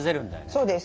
そうです。